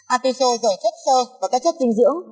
artiso giỏi chất sơ và các chất dinh dưỡng